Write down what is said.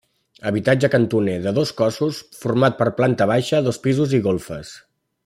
Habitatge cantoner, de dos cossos, format per planta baixa, dos pisos i golfes.